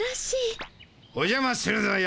おじゃまするぞよ。